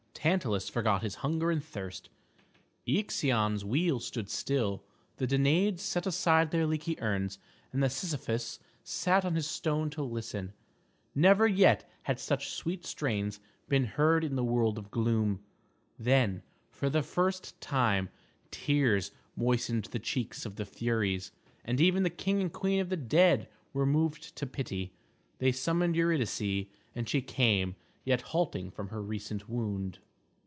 Tantalus forgot his hunger and thirst. Ixion's wheel stood still, the Danaids set aside their leaky urns and Sisyphus sat on his stone to listen. Never yet had such sweet strains been heard in the world of gloom. Then, for the first time, tears moistened the cheeks of the Furies, and even the king and queen of the dead were moved to pity. They summoned Eurydice, and she came, yet halting from her recent wound.